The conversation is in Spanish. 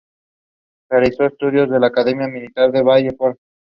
Realizó estudios en la Academia Militar de Valley Forge.